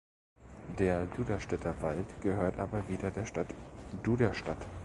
Der Duderstädter Wald gehört aber wieder der Stadt Duderstadt.